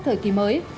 thời kỳ mới